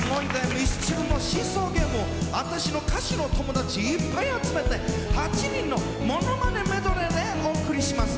ミスチルの『シーソーゲーム』をあたしの歌手の友達いっぱい集めて８人のモノマネメドレーでお送りします。